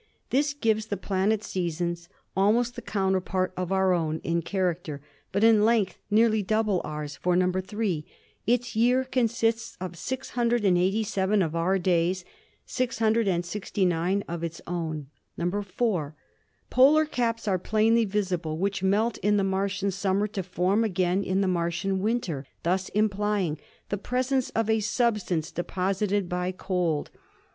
This gives the planet seasons almost the counterpart of our own in char acter, but in length nearly double ours, for "(3) Its year consists of 687 of our days, 669 of its own. "(4) Polar caps are plainly visible which melt in the Martian summer to form again in the Martian winter, thus implying the presence of a substance deposited by cold.